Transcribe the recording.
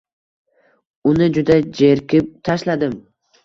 Uni juda jerkib tashladim.